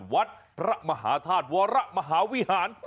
วัดพระมหาธาตุวรมหาวิหาร